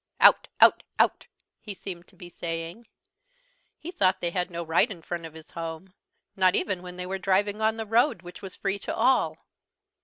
"Out out out!" he seemed to be saying. He thought they had no right in front of his home, not even when they were driving on the road, which was free to all.